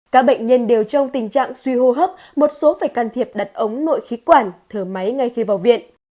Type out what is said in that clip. các bệnh nhân đều trong tình trạng suy hô hấp một số phải can thiệp đặt ống nội khí quản thở máy ngay khi vào viện